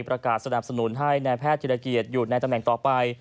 สนับสนุนให้นายแพทย์ธิรเกียรติอยู่ในตำแหน่งต่อไป